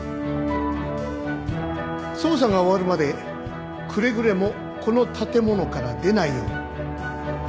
捜査が終わるまでくれぐれもこの建物から出ないように。